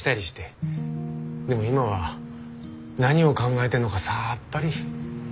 でも今は何を考えてるのかさっぱり。